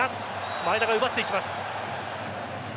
前田が奪っていきます。